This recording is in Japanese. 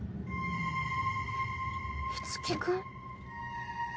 樹君。